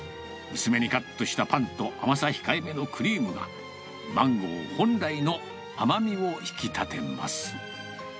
薄めにカットしたパンと、甘さ控えめのクリームが、マンゴー本来の甘みを引き立てます。